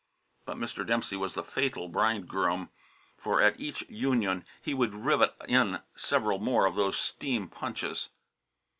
But Mr. Dempsey was the Fatal Bridegroom, for at each union he would rivet in several more of those steam punches.